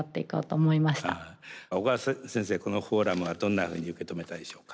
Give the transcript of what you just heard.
小川先生このフォーラムはどんなふうに受け止めたでしょうか？